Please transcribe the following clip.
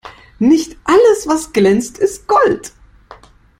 Nicht alles, was glänzt, ist Gold.